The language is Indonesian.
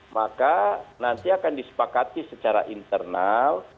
maka nanti akan disepakati secara internal